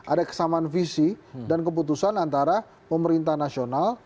ada kesamaan visi dan keputusan antara pemerintah nasional